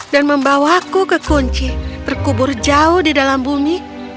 dan membawaku ke kunci berkubur jauh di dalam bumi